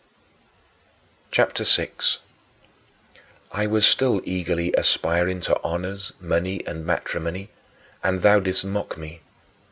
CHAPTER VI 9. I was still eagerly aspiring to honors, money, and matrimony; and thou didst mock me.